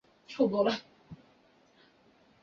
该站位于龙岗区龙岗街道龙岗社区。